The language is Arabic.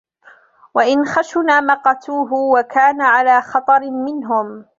وَإِنْ خَشُنَ مَقَتُوهُ وَكَانَ عَلَى خَطَرٍ مِنْهُمْ